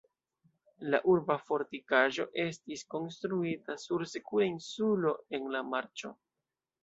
La urba fortikaĵo estis konstruita sur sekura insulo en la marĉo.